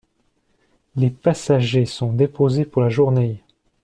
Les passagers sont déposés pour la journée.